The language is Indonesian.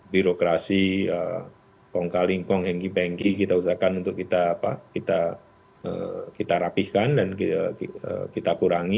birokrasi kongkaling kong hengki pengki kita usahakan untuk kita rapihkan dan kita kurangi